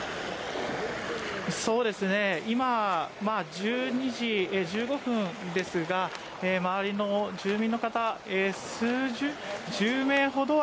今、１２時１５分ですが周りの住民の方、１０名ほどは